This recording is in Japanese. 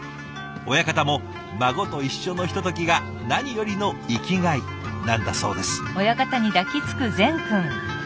親方も孫と一緒のひとときが何よりの生きがいなんだそうです。